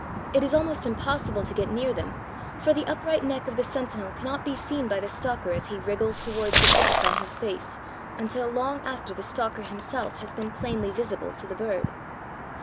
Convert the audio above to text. It is almost impossible to get near them, for the upright neck of the sentinel cannot be seen by the stalker as he wriggles towards the flock on his face, until long after the stalker himself has been plainly visible to the bird.